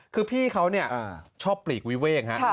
คือพี่เค้านี่ชอบปลีกเวล่ง